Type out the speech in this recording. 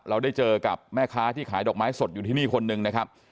เราได้เจอกับแม่ค้าที่ขายดอกไม้สดอยู่ที่นี่คนหนึ่งนะครับ